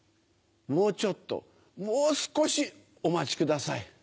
もうちょっともう少しお待ちください。